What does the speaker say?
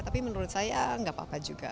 tapi menurut saya nggak apa apa juga